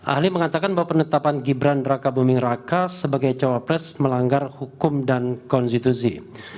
ahli mengatakan bahwa penetapan gibran raka buming raka sebagai cawapres melanggar hukum dan konstitusi